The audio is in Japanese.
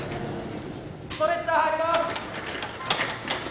・ストレッチャー入ります。